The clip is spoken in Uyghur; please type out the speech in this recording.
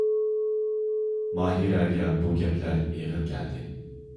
ماھىرەگە بۇ گەپلەر ئېغىر كەلدى.